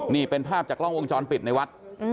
นี่เป็นภาพจากกล้องวงจรปิดในวัด